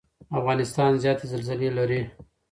افغانستان زیاتې زلزلې لري.